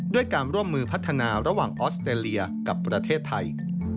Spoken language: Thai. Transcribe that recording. ด้วยการร่วมมือพัฒนาระหว่างออสเตรเลียกับประเทศไทย